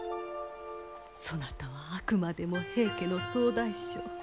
そなたはあくまでも平家の総大将。